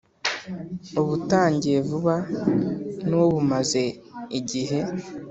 ubutangiye vuba n’ ubumaze igihe